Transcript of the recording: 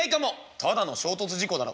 「ただの衝突事故だろ」。